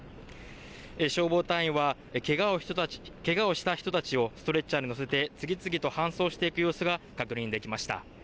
消防隊員はけがをした人たちをストレッチャーに乗せて次々と搬送していく様子が確認できました。